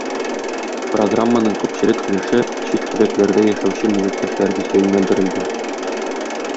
Программаның күпчелек өлеше чит төбәкләрдә яшәүче милләттәшләребезгә юнәлдерелгән.